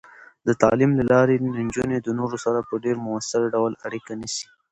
د تعلیم له لارې، نجونې د نورو سره په ډیر مؤثر ډول اړیکه نیسي.